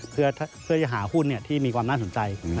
เพื่อจะหาหุ้นที่มีความน่าสนใจ